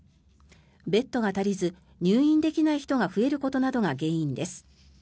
ベッドが足りず入院できない人が増えることなどが原因です。